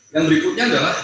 yang berikutnya adalah